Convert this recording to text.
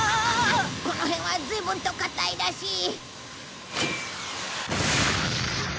この辺はずいぶんと硬いらしい。